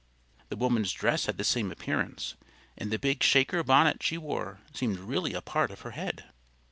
The woman's dress had the same appearance, and the big Shaker bonnet she wore seemed really a part of her head.